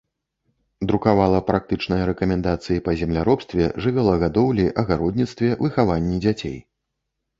Друкавала практычныя рэкамендацыі па земляробстве, жывёлагадоўлі, агародніцтве, выхаванні дзяцей.